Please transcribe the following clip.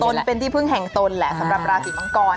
ตนเป็นที่พึ่งแห่งตนแหละสำหรับราศีมังกร